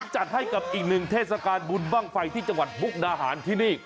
จัดให้กับอีกหนึ่งเทศกาลบุญบ้างไฟที่จังหวัดมุกดาหารที่นี่